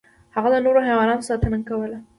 هغه د نورو حیواناتو ساتنه کوله.